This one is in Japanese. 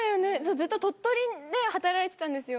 ずっと鳥取で働いてたんですよ。